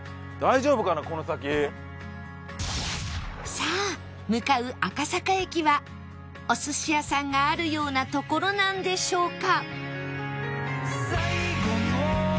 さあ向かう赤坂駅はお寿司屋さんがあるような所なんでしょうか？